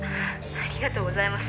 「ありがとうございます。